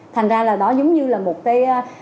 thành ra là đó giống như là một cái